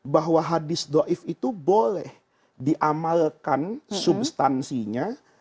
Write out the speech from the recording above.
bahwa hadis do'if itu boleh diamalkan substansinya